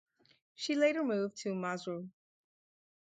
She later moved to Maizuru.